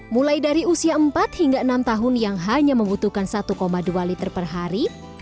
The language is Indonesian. mulai dari usia empat hingga enam tahun yang hanya membutuhkan satu dua liter per hari